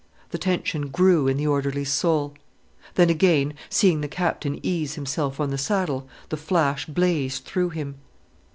The tension grew in the orderly's soul. Then again, seeing the Captain ease himself on the saddle, the flash blazed through him.